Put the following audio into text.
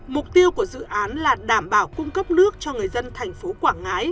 mục tiêu của dự án là đảm bảo cung cấp nước cho người dân thành phố quảng ngãi